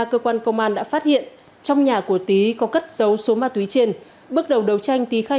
cơ quan công an đã phát hiện trong nhà của tý có cất dấu số ma túy trên bước đầu đấu tranh tý khai